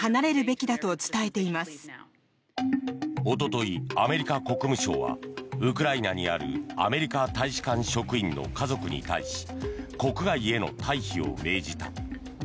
おととい、アメリカ国務省はウクライナにあるアメリカ大使館職員の家族に対し国外への退避を命じた。